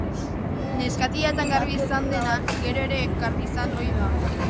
Neskatilatan garbi izan dena, gero ere garbi izan ohi da.